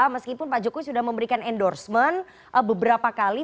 meskipun pak jokowi sudah memberikan endorsement beberapa kali